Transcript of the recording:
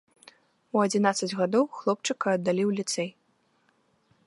У адзінаццаць гадоў хлопчыка аддалі ў ліцэй.